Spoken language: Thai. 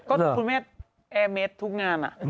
คุณเมฆเอร์เมสทุกงานอ่ะ